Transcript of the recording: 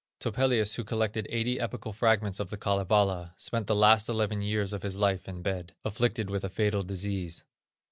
Topelius, who collected eighty epical fragments of the Kalevala, spent the last eleven years of his life in bed, afflicted with a fatal disease.